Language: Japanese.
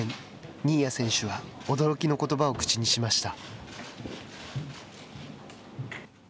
新谷選手は、驚きのことばを口にしました。